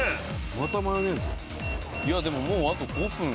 またマヨネーズ？